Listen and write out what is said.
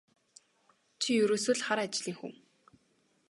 Чи ерөөсөө л хар ажлын хүн.